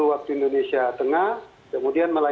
yang meng abilities merupakan tayaran yang nuembang bagi pbn